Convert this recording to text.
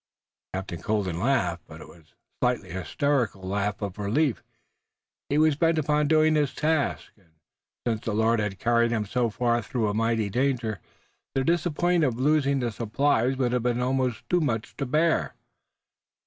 Captain Colden laughed, but it was the slightly hysterical laugh of relief. He was bent upon doing his task, and, since the Lord had carried him so far through a mighty danger, the disappointment of losing the supplies would have been almost too much to bear.